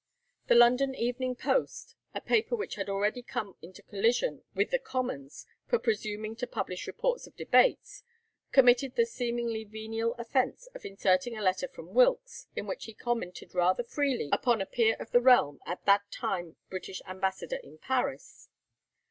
The 'London Evening Post,' a paper which had already come into collision with the Commons for presuming to publish reports of debates, committed the seemingly venial offence of inserting a letter from Wilkes, in which he commented rather freely upon a peer of the realm at that time British Ambassador in Paris.